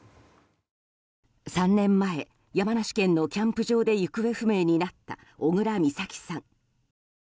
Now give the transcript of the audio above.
３年前、山梨県のキャンプ場で行方不明になった小倉美咲さん。